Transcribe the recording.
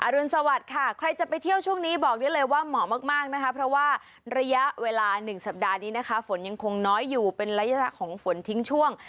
รุนสวัสดิ์ค่ะใครจะไปเที่ยวช่วงนี้บอกได้เลยว่าเหมาะมากนะคะเพราะว่าระยะเวลา๑สัปดาห์นี้นะคะฝนยังคงน้อยอยู่เป็นระยะของฝนทิ้งช่วง